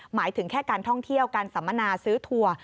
หมายถึงแค่การท่องเที่ยวการสัมมนาซื้อทัวร์